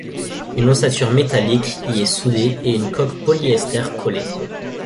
Une ossature métallique y est soudée et une coque polyester collée.